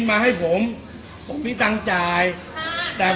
มันไปคิดบินมาเลย